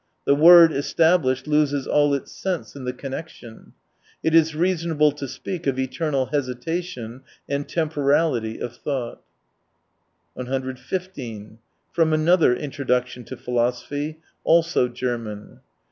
The word established loses all its sense in the connection. It is reasonable to speak of eternal hesitation and temporality of thought. 115 From another Introduction to Philosophy, also German.